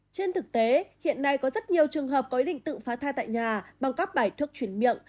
trên thực tế hiện nay có rất nhiều trường hợp có ý định tự phá thai tại nhà bằng các bài thuốc chuyển miệng